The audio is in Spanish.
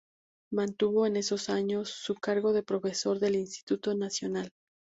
Mantuvo en esos años, su cargo de profesor del Instituto Nacional.